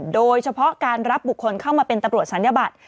โดยเฉพาะการรับบุคคลเข้ามาเป็นตำรวจศัลยบัตร